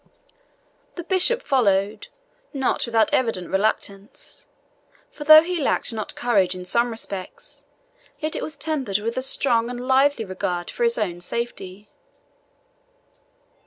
The bishop followed, not without evident reluctance; for though he lacked not courage in some respects, yet it was tempered with a strong and lively regard for his own safety.